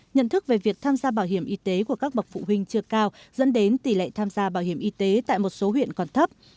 nhận thức về việc tham gia bảo hiểm y tế của các bậc phụ huynh chưa cao dẫn đến tỷ lệ tham gia bảo hiểm y tế tại một số huyện còn thấp